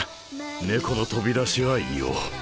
猫の飛び出しは言おう。